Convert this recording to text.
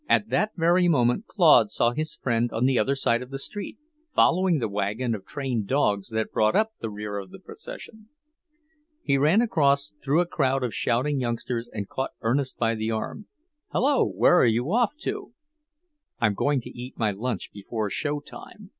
At that very moment Claude saw his friend on the other side of the street, following the wagon of trained dogs that brought up the rear of the procession. He ran across, through a crowd of shouting youngsters, and caught Ernest by the arm. "Hello, where are you off to?" "I'm going to eat my lunch before show time.